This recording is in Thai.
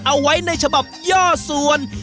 เอาไว้ในฉบับย่อส่วน